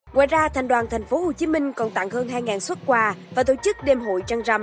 ngoài ra thành đoàn tp hcm còn tặng hơn hai xuất quà và tổ chức đêm hội trăng rằm